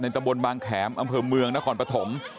ตะบนบางแขมอำเภอเมืองนครปฐม